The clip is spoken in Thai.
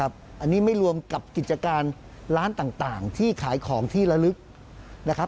อันนี้ไม่รวมกับกิจการร้านต่างที่ขายของที่ละลึกนะครับ